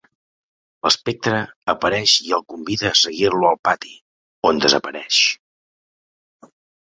L'espectre apareix i el convida a seguir-lo al pati, on desapareix.